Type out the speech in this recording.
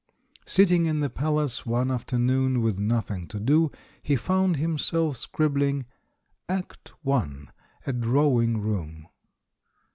Sitting in the Palace one afternoon with nothing to do, he found himself scribbling "Act I. — A Draw ing Room."